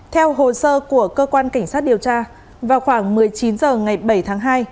theo hồ sơ của cơ quan cảnh sát điều tra vào khoảng một mươi chín h ngày bảy tháng hai